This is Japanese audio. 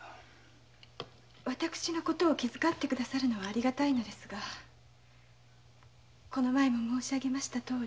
私の事を気遣って下さるのはありがたいのですが前にも申し上げたとおり。